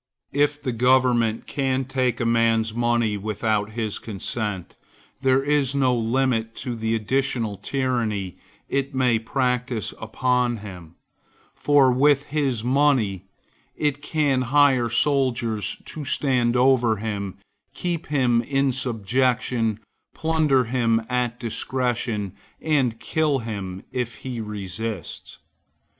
If the government can take a man's money without his consent, there is no limit to the additional tyranny it may practise upon him; for, with his money, it can hire soldiers to stand over him, keep him in subjection, plunder him at discretion, and kill him if he resists.